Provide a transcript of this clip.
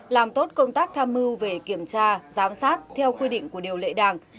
làm tốt công tác tham mưu về kiểm tra giám sát theo quy định của điều lệ đảng